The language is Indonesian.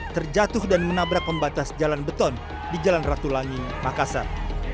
terjatuh dan menabrak pembatas jalan beton di jalan ratu langing makassar